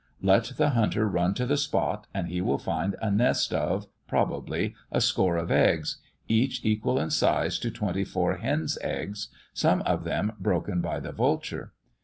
Let the hunter run to the spot, and he will find a nest of, probably, a score of eggs, (each equal in size to twenty four hen's eggs,) some of them broken by the vulture.